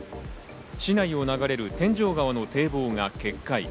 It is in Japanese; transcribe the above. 市内を流れる天井川の堤防が決壊。